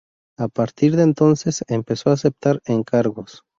A partir de entonces empezó a aceptar encargos.